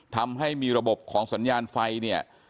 ทำให้มีระบบของสัญญาณไฟ